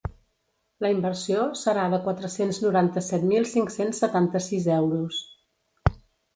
La inversió serà de quatre-cents noranta-set mil cinc-cents setanta-sis euros.